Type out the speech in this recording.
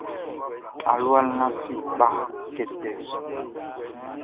Alua lafi kpa kɛtɛ su.